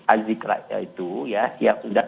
azikra itu ya siap sudah